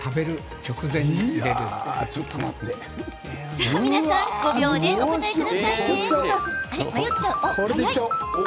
さあ、皆さん５秒でお答えくださいね。